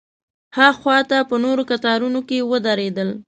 ها خوا ته په نورو قطارونو کې ودرېدل.